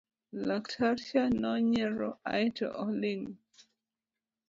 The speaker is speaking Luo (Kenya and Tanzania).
laktar cha nonyiero aeto oling'